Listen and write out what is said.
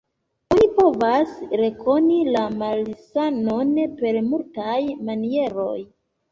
Oni povas rekoni la malsanon per multaj manieroj.